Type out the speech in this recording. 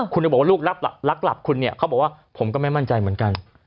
คุณจะบอกว่าลูกรักหลับคุณเนี่ยเขาบอกว่าผมก็ไม่มั่นใจเหมือนกัน